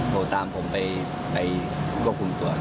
โทรตามผมไปควบคุมตัว